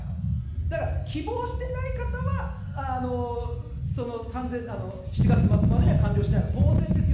だから希望してない方は、７月末までには完了しないのは当然ですよ。